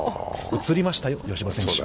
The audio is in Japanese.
映りましたよ、葭葉選手。